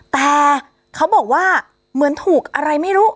แต่เขาบอกว่าเหมือนถูกอะไรไม่รู้